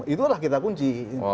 itu adalah kita kunci